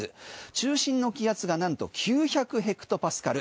中心の気圧がなんと９００ヘクトパスカル。